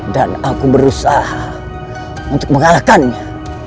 dan aku berusaha untuk mengalahkannya